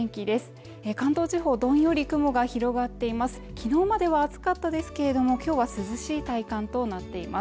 昨日までは暑かったですけれども、今日は涼しい体感となっています。